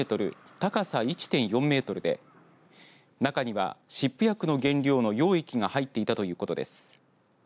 高さ１．４メートルで中には湿布薬の原料の溶液が入っていたということです。